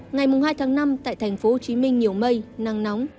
ngày hai tháng năm tại thành phố hồ chí minh nhiều mây nắng nóng